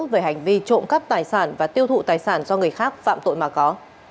về hành vi trộm cắt tài sản và tiêu thụ tài sản cho người khác phạm tội mà có